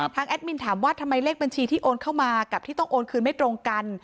แอดมินถามว่าทำไมเลขบัญชีที่โอนเข้ามากับที่ต้องโอนคืนไม่ตรงกัน